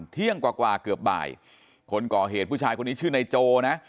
เที่ยงกว่าเกือบบ่ายคนก่อเหตุผู้ชายคนนี้ชื่อนายโจนะ